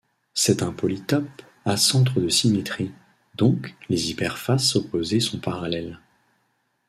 C'est un polytope à centre de symétrie, donc les hyperfaces opposées sont parallèles.